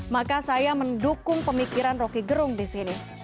maka saya mendukung pemikiran roky gerung di sini